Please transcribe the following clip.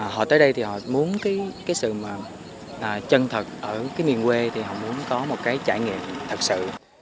họ tới đây thì họ muốn cái sự mà chân thật ở cái miền quê thì họ muốn có một cái trải nghiệm thật sự